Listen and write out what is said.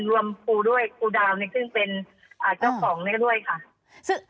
รวมครูด้วยครูดาวเนี่ยซึ่งเป็นเจ้าของนี้ด้วยค่ะ